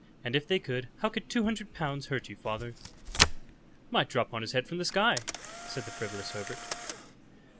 And if they could, how could two hundred pounds hurt you, father?" "Might drop on his head from the sky," said the frivolous Herbert.